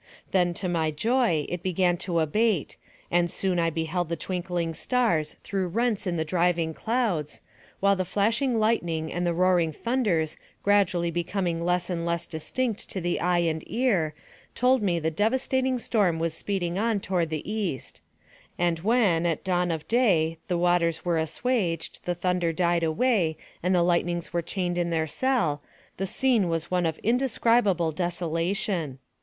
Then, to my joy, it be gan to abate, and soon I beheld the twinkling stars through rents in the driving clouds, while the flashing lightning and the roaring thunders gradually becom ing less and less distinct to the eye and ear, told me the devastating storm was speeding on toward the east ; and when, at dawn of day, the waters were as suaged, the thunder died away, and the lightnings were chained in their cell, the scene was one of inde scribable desolation.